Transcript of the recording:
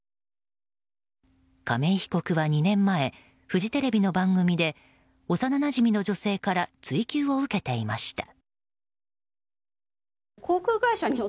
亀井被告は２年前フジテレビの番組で幼なじみの女性から追及を受けていました。